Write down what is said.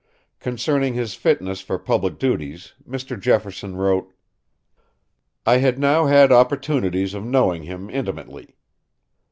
Concerning his fitness for public duties, Mr. Jefferson wrote: "I had now had opportunities of knowing him intimately.